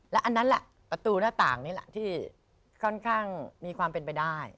อันนั้นแหละประตูหน้าต่างนี่แหละที่ค่อนข้างมีความเป็นไปได้